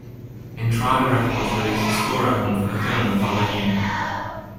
Intrada Records released a score album for the film the following year.